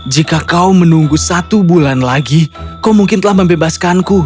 jika kau menunggu satu bulan lagi kau mungkin telah membebaskanku